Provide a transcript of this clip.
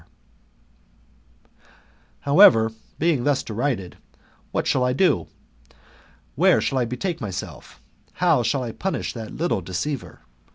ir '* However, being thus derided, what shall I do ? Where shall I betake myself? How shall I punish that little deceiver?